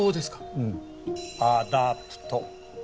うんアダプト。